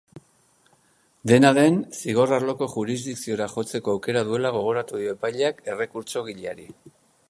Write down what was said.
Dena den, zigor-arloko jurisdikziora jotzeko aukera duela gogoratu dio epaileak errekurtsogileari.